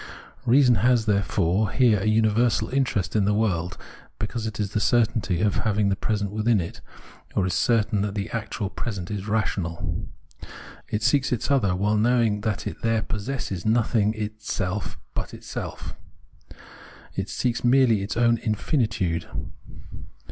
Reason has, therefore, here a universal interest in the world, be cause it is the certainty of having the present within it, or is certain that the actual present is rational. It seeks its " other," while knowing that it there possesses nothing else but itself : it seeks merely its own infinitude.